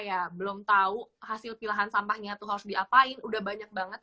kalian belum apa ya belum tahu hasil pilihan sampahnya tuh harus diapain udah banyak banget